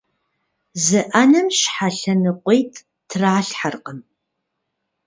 Зы Ӏэнэм щхьэ лъэныкъуитӀ тралъхьэркъым.